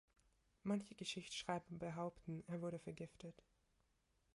Manche Geschichtsschreiber behaupten, er wurde vergiftet.